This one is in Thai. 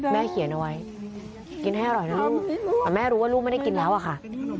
แม่เขียนไว้กินแฮล่ายแล้วแม่รู้ว่าลูกไม่ได้กินแล้วอะค่ะ